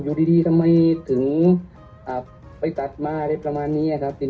อยู่ดีทำไมถึงไปตัดมาอะไรประมาณนี้ครับ